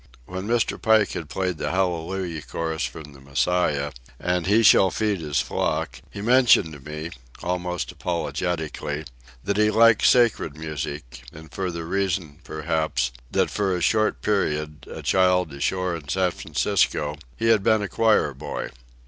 When Mr. Pike had played the "Hallelujah Chorus" from the Messiah, and "He Shall Feed His Flock," he mentioned to me, almost apologetically, that he liked sacred music, and for the reason, perhaps, that for a short period, a child ashore in San Francisco, he had been a choir boy.